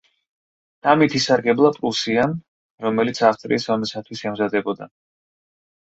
ამით ისარგებლა პრუსიამ, რომელიც ავსტრიის ომისათვის ემზადებოდა.